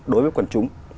đối với quân chúng